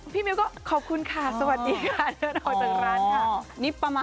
พี่นี่ก็ขอบคุณค่ะสวัสดีค่ะ